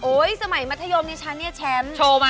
โอ๊ยสมัยมัธยมชั้นนี้แชมป์